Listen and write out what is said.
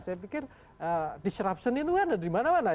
saya pikir disruption itu dimana mana